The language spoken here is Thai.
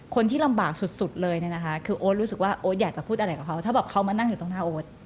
คนที่ลำบากสุดเลยเนี่ยนะคะคือโอ๊ตรู้สึกว่าโอ๊ตอยากจะพูดอะไรกับเขาถ้าบอกเขามานั่งอยู่ตรงหน้าโอ๊ต